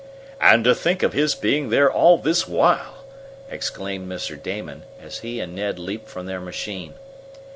"And to think of his being there all this while!" exclaimed Mr. Damon, as he and Ned leaped from their machine.